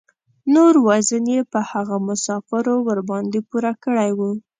نور وزن یې په هغو مسافرو ورباندې پوره کړی و.